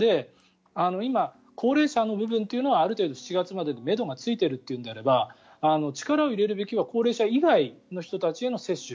今、高齢者の部分というのはある程度７月までにめどがついているのであれば力を入れるべきは高齢者以外の人たちへの接種。